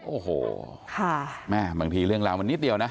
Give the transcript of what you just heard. โอ้โหแม่บางทีเรื่องราวมันนิดเดียวนะ